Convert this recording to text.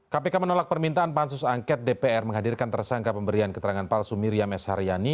kpk menolak permintaan pansus angket dpr menghadirkan tersangka pemberian keterangan palsu miriam s haryani